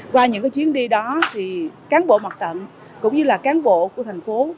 qua những chuyến đi đó thì cán bộ mặt tận cũng như là cán bộ của thành phố